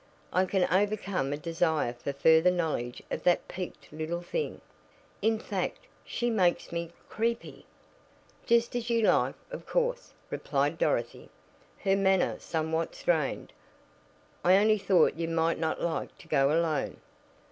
I can overcome a desire for further knowledge of that peaked little thing. In fact, she makes me creepy." "Just as you like, of course," replied Dorothy, her manner somewhat strained. "I only thought you might not like to go alone."